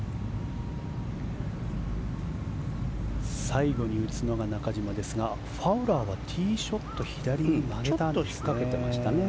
最後に打つのが中島ですがファウラーはティーショット左に曲げたんですかね。